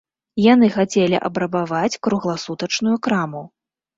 Яны хацелі абрабаваць кругласутачную краму.